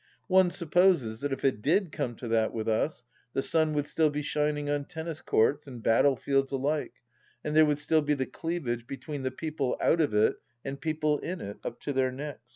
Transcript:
One supposes that if it did come to that with us, the sun would still be shining on tennis courts and battle fields alike, and there would still be the cleavage between the people "out of it " and people " in it "— up to their necks.